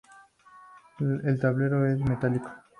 El tablero es metálico.